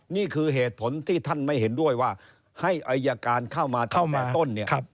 นี่คือเหตุผลที่ท่านไม่เห็นด้วยว่าให้อายการเข้ามาเข้ามาต้นเนี่ย